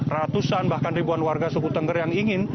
ratusan bahkan ribuan warga suku tengger yang ingin